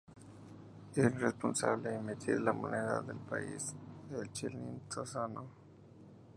Es responsable emitir la moneda del país, el chelín tanzano.